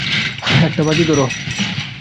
একটা বাজি ধরো!